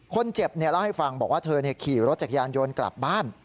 คนเจ็บเล่าให้ฟังบอกว่าเธอขี่รถจักรยานยนต์กลับบ้าน